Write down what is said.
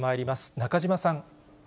中島さん。